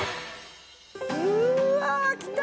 うわきた！